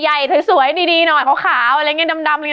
ใหญ่สวยดีหน่อยเขาขาวอะไรอย่างงี้ดำอย่างงี้